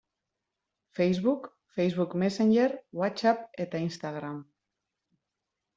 Facebook, Facebook Messenger, Whatsapp eta Instagram.